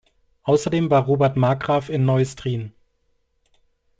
Außerdem war Robert Markgraf in Neustrien.